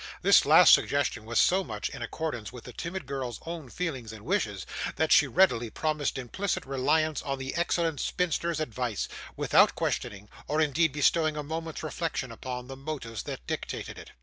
This last suggestion was so much in accordance with the timid girl's own feelings and wishes, that she readily promised implicit reliance on the excellent spinster's advice: without questioning, or indeed bestowing a moment's reflection upon, the motives that dictated it.